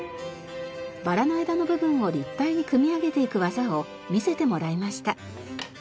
バラの枝の部分を立体に組み上げていく技を見せてもらいました。